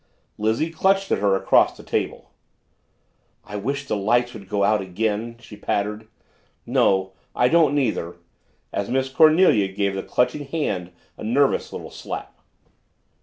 Lizzie clutched at her across the table. "I wish the lights would go out again!" she pattered. "No, I don't neither!" as Miss Cornelia gave the clutching hand a nervous little slap.